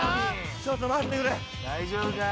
ちょっと待ってくれ。